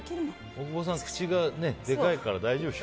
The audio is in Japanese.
大久保さん、口がでかいから大丈夫ですよ。